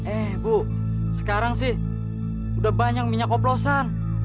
eh bu sekarang sih udah banyak minyak oplosan